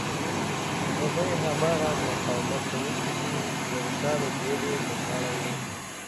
هغوی هماغه مقاومت کوونکي دي چې د روسانو ډول یې پر غاړه و.